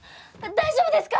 大丈夫ですか？